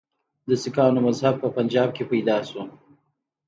د سکانو مذهب په پنجاب کې پیدا شو.